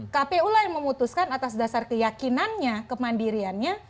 kpu lah yang memutuskan atas dasar keyakinannya kemandiriannya